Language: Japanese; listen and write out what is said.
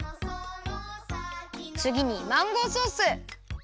つぎにマンゴーソース。